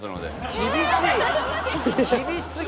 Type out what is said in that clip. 厳しい！